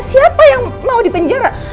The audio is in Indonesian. siapa yang mau di penjara